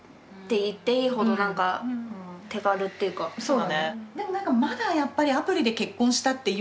そうだね。